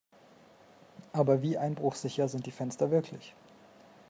Aber wie einbruchsicher sind die Fenster wirklich?